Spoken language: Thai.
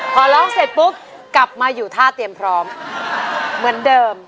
พอร้องเสร็จปุ๊บกลับมาอยู่ท่าเตรียมพร้อมเหมือนเดิม